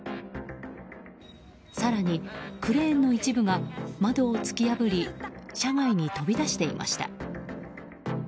更に、クレーンの一部が窓を突き破り車外に飛び出していました。